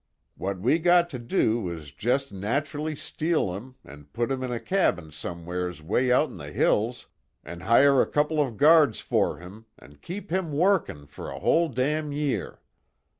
What we got to do is jest na'chelly steal him, an' put him in a cabin somewheres way out in the hills, an' hire a couple of guards for him, an' keep him workin' for a whole damn year.